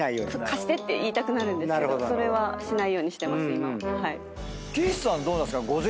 貸してって言いたくなるけどそれはしないようにしてます。